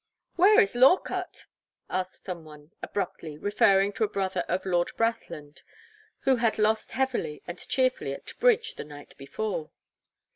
"Where is Lorcutt?" asked some one, abruptly, referring to a brother of Lord Brathland, who had lost heavily and cheerfully at Bridge the night before.